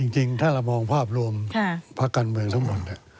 จริงถ้าเรามองภาพรวมพักการเมืองทั้งหมด